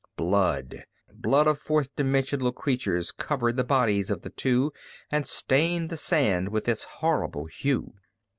Blood, blood of fourth dimensional creatures, covered the bodies of the two and stained the sand with its horrible hue.